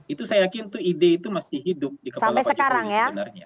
itu saya yakin itu ide itu masih hidup di kepala pak jokowi sebenarnya